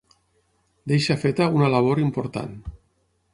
Deixa feta una labor important.